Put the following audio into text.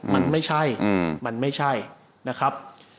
มันไม่ใช่มันไม่ใช่นะครับ